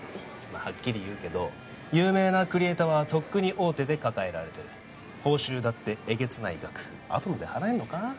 まあはっきり言うけど有名なクリエイターはとっくに大手で抱えられてる報酬だってえげつない額アトムで払えんのか？